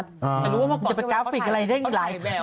แต่รู้ว่าเมื่อก่อนเขาถ่ายแบบ